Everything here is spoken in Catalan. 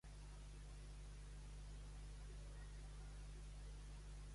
És l'únic vaixell de guerra anterior al dreadnought del joc.